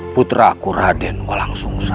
putraku raden olangsungsa